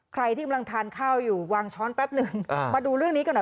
ใครที่กำลังทานข้าวอยู่วางช้อนแป๊บนึงมาดูเรื่องนี้กันหน่อย